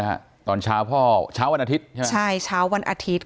ฮะตอนเช้าพ่อเช้าวันอาทิตย์ใช่ไหมใช่เช้าวันอาทิตย์